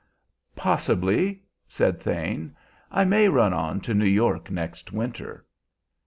"Possibly," said Thane, "I may run on to New York next winter."